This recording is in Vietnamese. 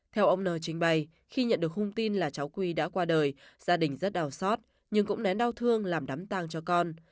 theo ông n trình bày khi nhận được hung tin là cháu quy đã qua đời gia đình rất đau xót nhưng cũng nén đau thương làm đám tàng cho con